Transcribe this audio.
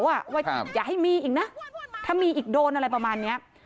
ว่าอย่าให้มีอีกนะถ้ามีอีกโดนอะไรประมาณนี้